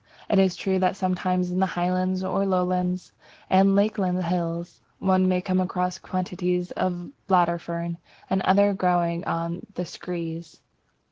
It is true that sometimes in the Highlands, or Lowland and Lakeland Hills, one comes across quantities of the Bladderfern and others growing on the "screes."